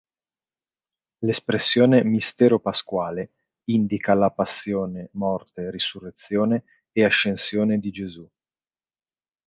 L'espressione "Mistero Pasquale" indica la passione, morte, risurrezione e ascensione di Gesù.